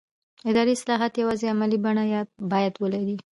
اداري اصلاحات یوازې عملي بڼه باید ولري